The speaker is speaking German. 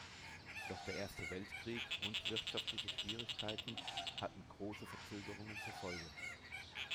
Doch der Erste Weltkrieg und wirtschaftliche Schwierigkeiten hatten große Verzögerungen zur Folge.